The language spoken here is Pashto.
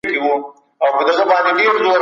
د ماشوم لومړنی ښوونځی د مور غېږ ده.